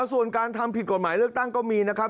ส่วนการทำผิดกฎหมายเลือกตั้งก็มีนะครับ